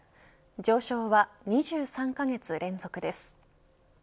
上昇は２３カ月連続です。